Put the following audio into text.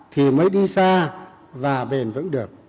thì mới đi xa và bền vững được